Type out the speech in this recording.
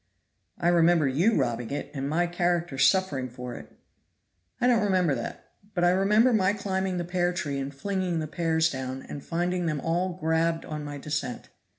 "I remember your robbing it, and my character suffering for it." "I don't remember that; but I remember my climbing the pear tree and flinging the pears down, and finding them all grabbed on my descent.